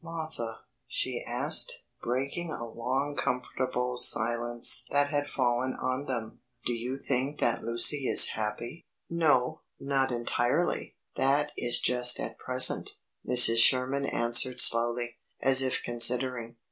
"Mothah," she asked, breaking a long comfortable silence that had fallen on them, "do you think that Lucy is happy?" "No, not entirely that is just at present," Mrs. Sherman answered slowly, as if considering.